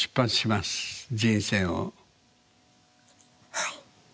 はい。